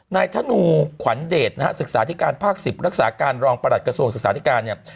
ธนูขวัญเดชนะฮะศึกษาธิการภาค๑๐รักษาการรองประหลัดกระทรวงศึกษาธิการเนี่ย